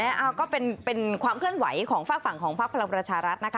ก็เป็นความเคลื่อนไหวของฝากฝั่งของพักพลังประชารัฐนะคะ